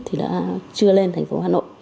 thì đã chưa lên thành phố hà nội